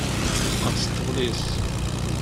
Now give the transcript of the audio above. Yeqqerṣ ṭṭbel-is.